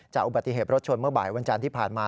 อุบัติเหตุรถชนเมื่อบ่ายวันจันทร์ที่ผ่านมา